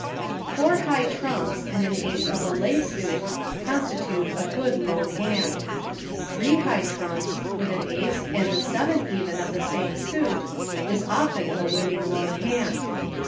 Four high trumps and an Ace of a lay suit constitute a good lone hand. Three high trumps, with an Ace and the seven even of the same suit, is often a winning lone hand.